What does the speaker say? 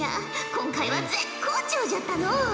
今回は絶好調じゃったのう。